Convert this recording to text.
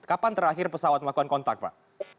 kapan terakhir pesawat melakukan kontak pak